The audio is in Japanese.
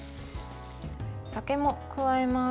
酒も加えます。